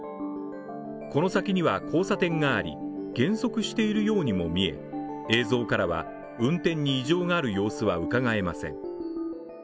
この先には交差点があり、減速しているようにも見え、映像からは運転に異常がある様子はうかがえません。